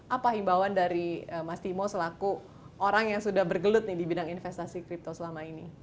apa himbauan dari mas timo selaku orang yang sudah bergelut nih di bidang investasi kripto selama ini